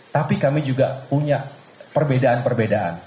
tapi kami juga punya perbedaan perbedaan